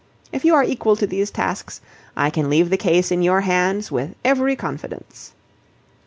If you are equal to these tasks, I can leave the case in your hands with every confidence."